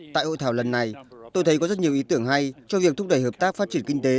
tại hội thảo lần này tôi thấy có rất nhiều ý tưởng hay cho việc thúc đẩy hợp tác phát triển kinh tế